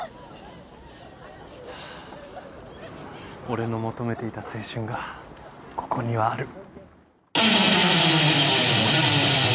俺の求めていた青春がここにはある。